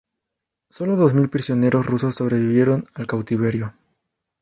Sólo dos mil prisioneros rusos sobrevivieron al cautiverio.